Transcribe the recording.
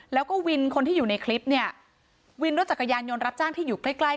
แล้วก็วินคนที่อยู่ในคลิปเนี่ยวินรถจักรยานยนต์รับจ้างที่อยู่ใกล้ใกล้